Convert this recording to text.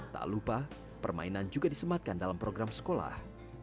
tak lupa permainan juga disematkan dalam program sekolah